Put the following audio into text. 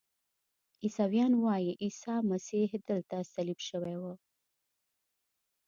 عیسویان وایي عیسی مسیح دلته صلیب شوی و.